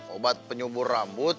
obat penyumbur rambut